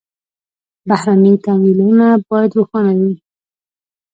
بهرني تمویلونه باید روښانه وي.